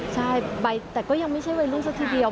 ใช่แต่ก็ยังไม่ใช่วัยรุ่นซะทีเดียว